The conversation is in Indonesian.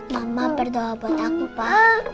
mama berdoa buat aku pak